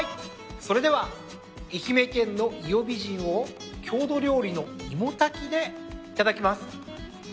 それでは愛媛県の伊予美人を郷土料理のいもたきでいただきます。